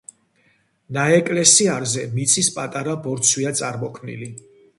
ნაეკლესიარზე მიწის პატარა ბორცვია წარმოქმნილი.